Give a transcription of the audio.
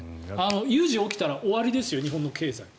有事が起きたら終わりですよ日本の経済。